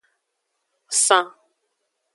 San.